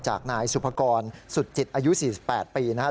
จากนายสุภกรสุดจิตอายุ๔๘ปีนะครับ